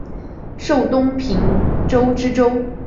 授东平州知州。